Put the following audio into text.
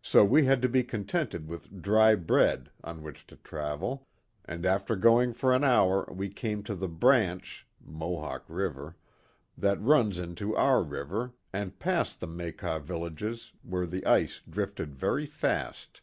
So we had to be contented with dry bread on which to travel; and after going for an hour we came to the branch [Mohawk River] that runs into our river, and passed the Maquas villages, where the ice drifted very fast.